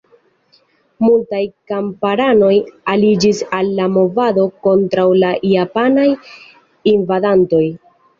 Multaj kamparanoj aliĝis al la movado kontraŭ la japanaj invadantoj.